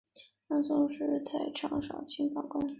南宋时以太常少卿罢官。